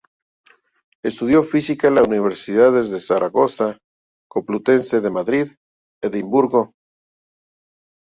Estudió física en las universidades de Zaragoza, Complutense de Madrid, Edimburgo y St.